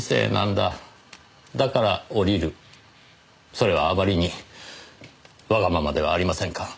それはあまりにわがままではありませんか？